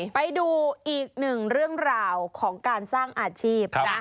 ไปดูอีกหนึ่งเรื่องราวของการสร้างอาชีพนะ